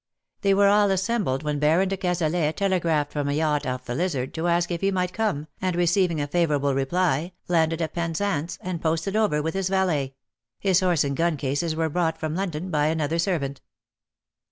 They were all assembled when Baron de Cazalet telegraphed from a yacht off the Lizard to ask if he might come, and_, receiving a favourable reply, landed at Penzance, and posted over with his valet ; his horse and gun cases were brought from London by another servant.